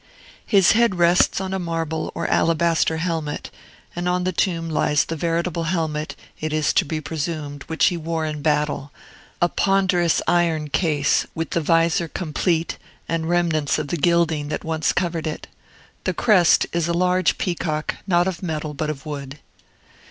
His head rests on a marble or alabaster helmet; and on the tomb lies the veritable helmet, it is to be presumed, which he wore in battle, a ponderous iron ease, with the visor complete, and remnants of the gilding that once covered it. The crest is a large peacock, not of metal, but of wood.